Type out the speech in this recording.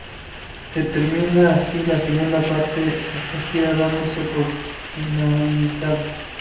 Se termina así la segunda parte de esta gira, dándose por finalizada.